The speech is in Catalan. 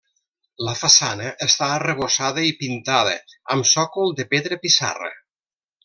La façana està arrebossada i pintada, amb sòcol de pedra pissarra.